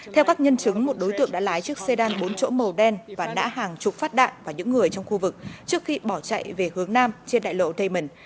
theo các nhân chứng một đối tượng đã lái chiếc xe đan bốn chỗ màu đen và đã hàng chục phát đạn vào những người trong khu vực trước khi bỏ chạy về hướng nam trên đại lộ damon